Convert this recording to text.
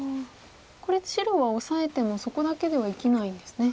これ白はオサえてもそこだけでは生きないんですね。